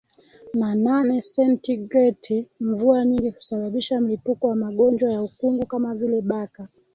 na nane sentigreti mvua nyingi husababisha mlipuko wa magonjwa ya ukungu kama vile Baka